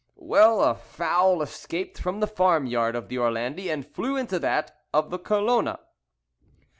"Well, a fowl escaped from the farm yard of the Orlandi and flew into that of the Colona.